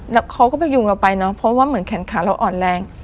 แล้วเขาก็ไปยุงเราไปเนอะเพราะว่าเหมือนแขนขาเราอ่อนแรง